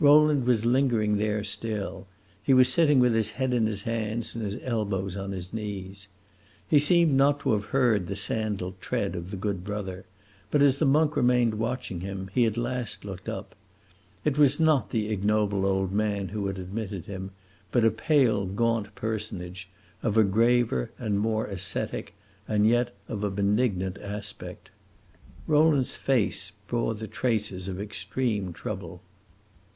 Rowland was lingering there still; he was sitting with his head in his hands and his elbows on his knees. He seemed not to have heard the sandaled tread of the good brother, but as the monk remained watching him, he at last looked up. It was not the ignoble old man who had admitted him, but a pale, gaunt personage, of a graver and more ascetic, and yet of a benignant, aspect. Rowland's face bore the traces of extreme trouble.